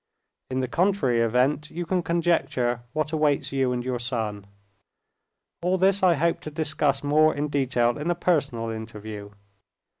In the contrary event, you can conjecture what awaits you and your son. All this I hope to discuss more in detail in a personal interview.